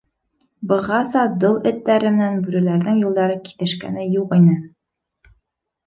— Бығаса дол эттәре менән бүреләрҙең юлдары киҫешкәне юҡ ине.